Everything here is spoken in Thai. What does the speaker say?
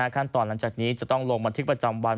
ขั้นตอนหลังจากนี้จะต้องลงบันทึกประจำวัน